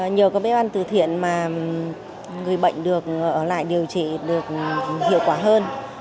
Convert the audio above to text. nhiều bếp ăn từ thiện mà người bệnh được ở lại điều trị được hiệu quả hơn